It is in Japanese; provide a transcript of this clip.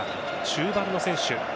中盤の選手。